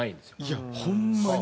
いやホンマに。